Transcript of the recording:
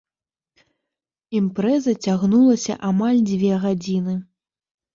Імпрэза цягнулася амаль дзве гадзіны.